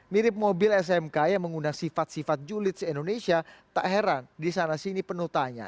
mirip mobil smk yang menggunakan sifat sifat julid di indonesia tak heran disana sini penuh tanya